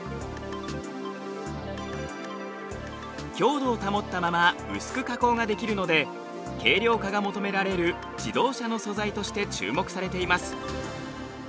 強度を保ったまま薄く加工ができるので軽量化が求められる自動車の素材として注目されています。